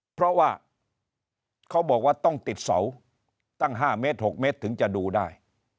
เพราะว่าเขาบอกว่าต้องติดเสาตั้ง๕เมตร๖เมตรถึงจะดูได้